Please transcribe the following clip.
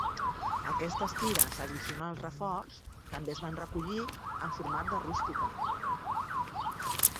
Aquestes tires addicionals reforç també es van recollir en format de rústica.